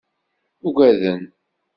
Ugaden.